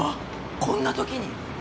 こんな時に？